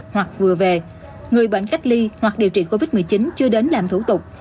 hoặc vừa về người bệnh cách ly hoặc điều trị covid một mươi chín chưa đến làm thủ tục